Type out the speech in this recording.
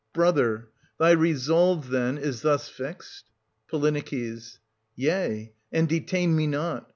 Brother ! Thy resolve, then, is thus fixed } Po. Yea, — and detain me not.